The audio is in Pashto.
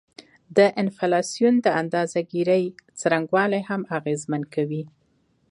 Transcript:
د انفلاسیون د اندازه ګيرۍ څرنګوالی هم اغیزمن کوي